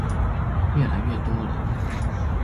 越來越多了